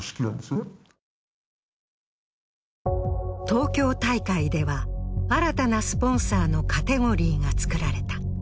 東京大会では、新たなスポンサーのカテゴリーが作られた。